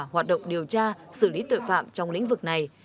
hoạt động điều tra xử lý tội phạm trong lĩnh vực này